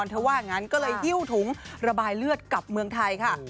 นี่แน่นอนเธอว่างั้นก็เลยหิ้วถุงระบายเลือดกลับเมืองไทยค่ะ